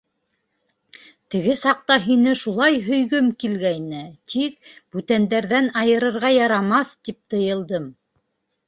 - Теге саҡта һине шулай һөйгөм килгәйне, тик, бүтәндәрҙән айырырға ярамаҫ, тип тыйылдым.